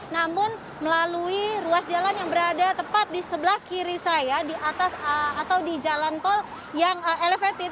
namun melalui ruas jalan yang berada tepat di sebelah kiri saya di atas atau di jalan tol yang elevated